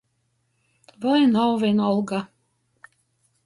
Voi nav vīnolga.